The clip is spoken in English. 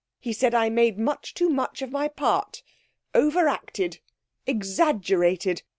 He said I made much too much of my part over acted exaggerated!